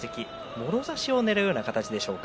もろ差しをねらうような形でしょうか。